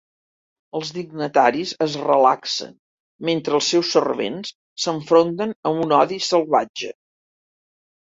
Els dignataris es relaxen, mentre els seus servents s'enfronten amb un odi salvatge.